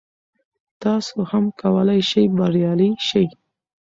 تاسو هم کولای شئ بریالي شئ.